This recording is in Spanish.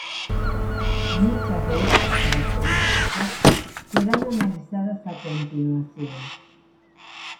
Muchas de estas características serán analizadas a continuación.